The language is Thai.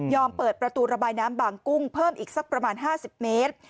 เปิดประตูระบายน้ำบางกุ้งเพิ่มอีกสักประมาณ๕๐เมตร